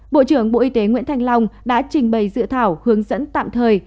bộ trưởng bộ y tế nguyễn thanh long đã trình bày dự thảo hướng dẫn tạm thời